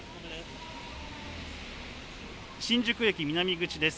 新宿駅南口です。